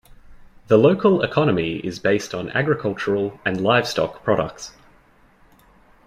The local economy is based on agricultural and livestock products.